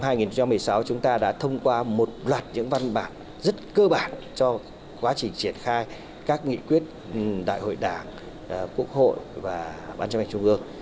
năm hai nghìn một mươi sáu chúng ta đã thông qua một loạt những văn bản rất cơ bản cho quá trình triển khai các nghị quyết đại hội đảng quốc hội và ban chấp hành trung ương